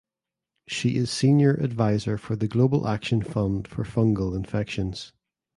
She is senior advisor for the Global Action Fund for Fungal Infections.